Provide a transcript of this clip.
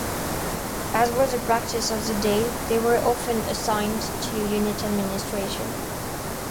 As was the practice of the day, they were often assigned to unit administration.